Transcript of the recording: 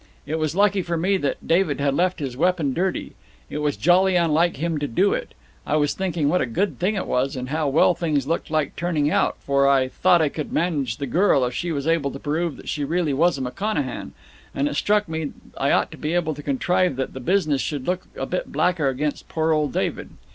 It was lucky for me that David had left his weapon dirty. It was jolly unlike him to do it. I was thinking what a good thing it was, and how well things looked like turning out for I thought I could manage the girl if she was able to prove that she really was a McConachan and it struck me I ought to be able to contrive that the business should look a bit blacker against poor old David.